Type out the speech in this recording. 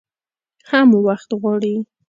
هم وخت غواړي .